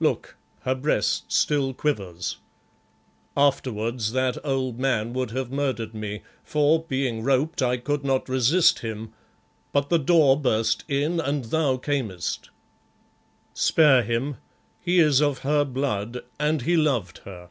Look, her breast still quivers. Afterwards, that old man would have murdered me, for, being roped, I could not resist him, but the door burst in and thou camest. Spare him, he is of her blood, and he loved her."